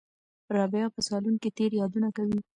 رابعه په صالون کې تېر یادونه کوي.